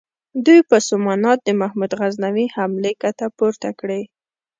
دوی په سومنات د محمود غزنوي حملې کته پورته کړې.